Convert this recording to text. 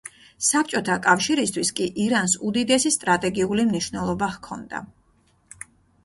საბჭოთა კავშირისთვის კი ირანს უდიდესი სტრატეგიული მნიშვნელობა ჰქონდა.